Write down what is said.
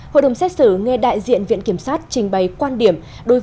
hội đồng xét xử nghe đại diện viện kiểm sát trình bày quan điểm